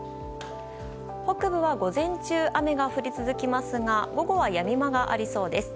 北部は午前中雨が降り続きますが午後はやみ間がありそうです。